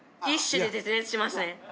一種で絶滅しますね